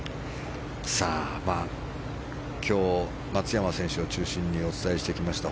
今日、松山選手を中心にお伝えしてきました。